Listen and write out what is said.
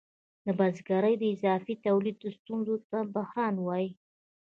د بزګرۍ د اضافي تولید ستونزې ته بحران وايي